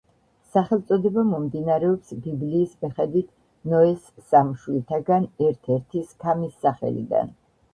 სახელწოდება მომდინარეობს ბიბლიის მიხედვით ნოეს სამ შვილთაგან ერთ-ერთის, ქამის სახელიდან.